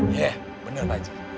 yeh bener paji